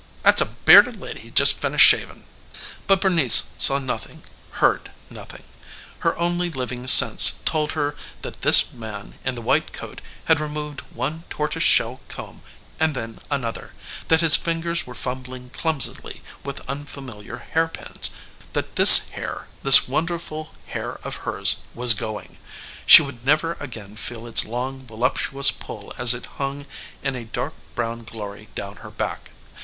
'At's a bearded lady he just finished shavin'." But Bernice saw nothing, heard nothing. Her only living sense told her that this man in the white coat had removed one tortoise shell comb and then another; that his fingers were fumbling clumsily with unfamiliar hairpins; that this hair, this wonderful hair of hers, was going she would never again feel its long voluptuous pull as it hung in a dark brown glory down her back.